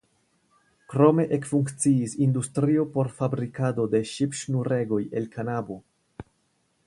Krome ekfunkciis industrio por fabrikado de ŝipŝnuregoj el kanabo.